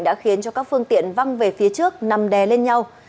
đã khiến cho các phương tiện văng về phía trước nằm đè lên nhau